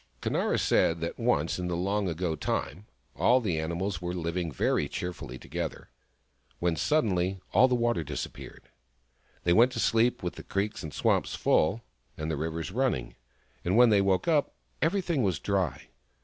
Conara said that once in the long ago time, all the animals were living very cheerfully together, when suddenly all the water disappeared. They went to sleep with the creeks and swamps full, and the rivers running ; and when they woke up, every thing was dry.